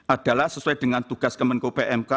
adalah sesuai dengan tugas kemenko pmk